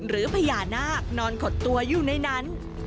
และผ้านากนอนขอดตัวอยู่ในนั้น